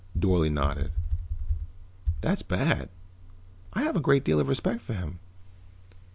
Dorle nodded. "That's bad. I have a great deal of respect for him.